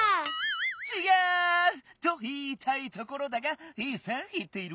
ちがう！といいたいところだがいいせんいっている。